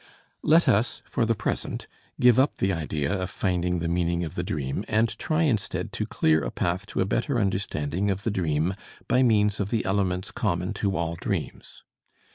Let us, for the present, give up the idea of finding the meaning of the dream and try instead to clear a path to a better understanding of the dream by means of the elements common to all dreams.